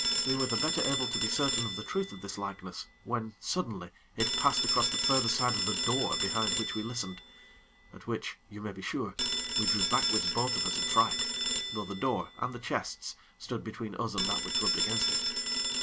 We were the better able to be certain of the truth of this likeness, when, suddenly, it passed across the further side of the door behind which we listened: at which, you may be sure, we drew backwards both of us in fright; though the door, and the chests, stood between us and that which rubbed against it.